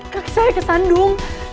kaki saya kesandung